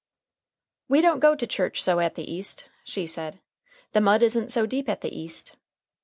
"We don't go to church so at the East," she said. "The mud isn't so deep at the East.